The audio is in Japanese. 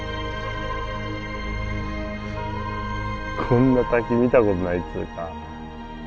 こんな滝見たことないっつうか。